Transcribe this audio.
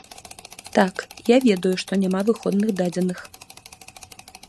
Так, я ведаю, што няма выходных дадзеных.